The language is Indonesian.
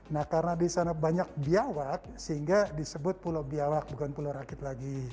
nah karena disana banyak bubiyawak sehingga disebut pulau bubiyawak bukan pulau rakit lagi